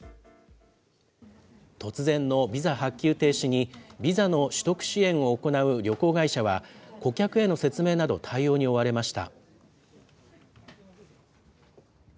突然のビザ発給停止に、ビザの取得支援を行う旅行会社は、顧客への説明など、対応に追われました。